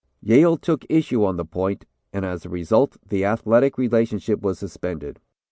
"Yale took issue on the point, and as a result the athletic relationship was suspended.